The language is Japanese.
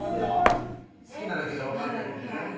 好きなだけじゃ分かんないもんね